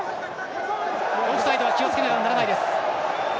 オフサイドは気をつけなければいけない。